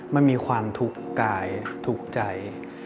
มันมีความทุกข์กายทุกข์ใจ